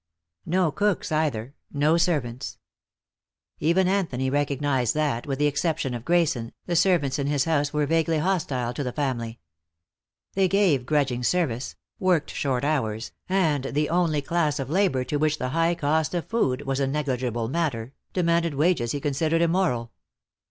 No cooks, either. No servants. Even Anthony recognized that, with the exception of Grayson, the servants in his house were vaguely hostile to the family. They gave grudging service, worked short hours, and, the only class of labor to which the high cost of food was a negligible matter, demanded wages he considered immoral.